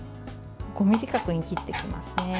５ｍｍ角に切っていきますね。